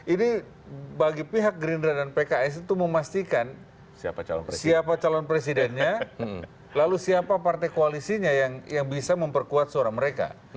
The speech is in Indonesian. ini bagi pihak gerindra dan pks itu memastikan siapa calon presidennya lalu siapa partai koalisinya yang bisa memperkuat suara mereka